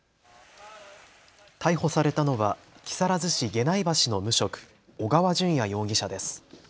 逮捕されたのは木更津市下内橋の無職、小川順也容疑者です。